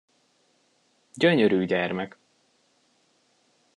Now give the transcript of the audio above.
Gyönyörű gyermek!